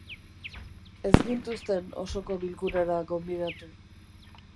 Ez gintuzten osoko bilkurara gonbidatu.